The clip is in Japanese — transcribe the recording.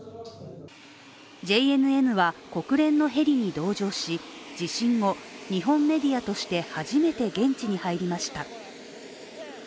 ＪＮＮは国連のヘリに同乗し、地震後日本メディアとして初めて現地に入りました。